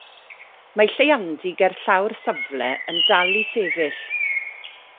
Mae lleiandy gerllaw'r safle yn dal i sefyll.